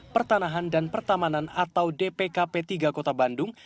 pertanahan dan pertamanan atau dpkp tiga kota bandung